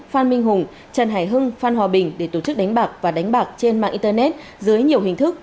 phan minh hùng trần hải hưng phan hòa bình để tổ chức đánh bạc và đánh bạc trên mạng internet dưới nhiều hình thức